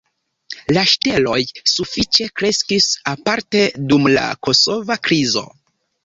La ŝteloj sufiĉe kreskis aparte dum la kosova krizo.